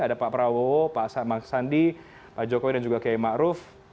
ada pak prawowo pak asamang sandi pak jokowi dan juga k e ma'ru